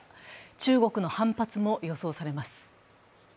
中国の反発も予想されます。